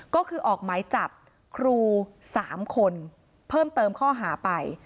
ก็คือออกหมายจับครู๓คนเพิ่มเติมข้อหาไป